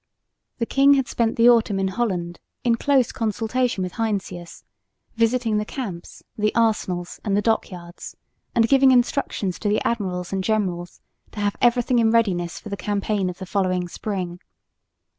The king had spent the autumn in Holland in close consultation with Heinsius, visiting the camps, the arsenals and the dockyards, and giving instructions to the admirals and generals to have everything in readiness for the campaign of the following spring.